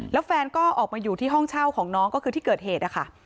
แล้วแฟนก็ออกมาอยู่ที่ห้องเช่าของน้องก็คือที่เกิดเหตุนะคะ